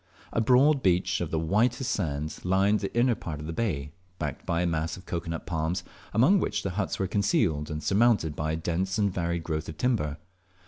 A broad beach of the whitest sand lined the inner part of the bay, backed by a mass of cocoa nut palms, among which the huts were concealed, and surmounted by a dense and varied growth of timber.